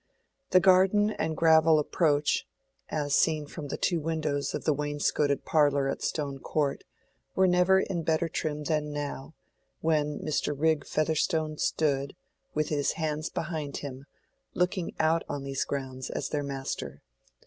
The garden and gravel approach, as seen from the two windows of the wainscoted parlor at Stone Court, were never in better trim than now, when Mr. Rigg Featherstone stood, with his hands behind him, looking out on these grounds as their master.